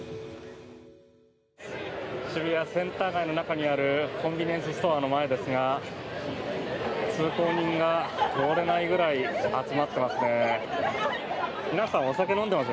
渋谷センター街の中にあるコンビニエンスストアの前ですが通行人が通れないぐらい集まっていますね。